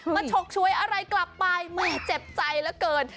ฉกชวยอะไรกลับไปมึงเจ็บใจเหลือเกิน